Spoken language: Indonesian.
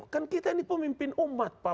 kan kita ini pemimpin umat pak